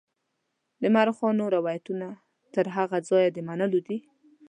د مورخانو روایتونه تر هغه ځایه د منلو دي.